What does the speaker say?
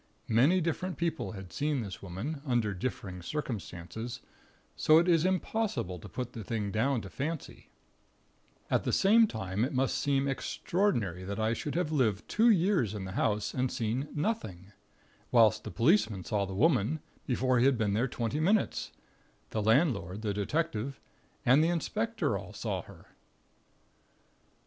Many different people had seen this Woman, under differing circumstances, so it is impossible to put the thing down to fancy; at the same time it must seem extraordinary that I should have lived two years in the house, and seen nothing; whilst the policeman saw the Woman, before he had been there twenty minutes; the landlord, the detective, and the inspector all saw her.